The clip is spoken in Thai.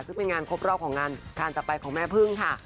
ซึ่งเป็นงานครบรอบของงานการจักรไปของแม่พึ่งค่ะ